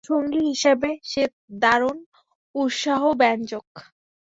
সঙ্গী হিসেবে সে দারুণ উৎসাহব্যঞ্জক।